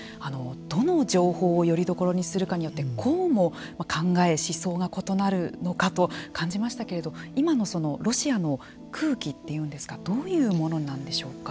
どの情報をよりどころにするかによってこうも考え、思想が異なるのかと感じましたけれど今のロシアの空気ってどういうんでしょうか。